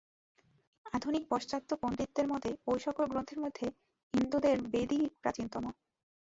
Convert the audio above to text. আধুনিক পাশ্চাত্য পণ্ডিতদের মতে ঐ-সকল গ্রন্থের মধ্যে হিন্দুদের বেদই প্রাচীনতম।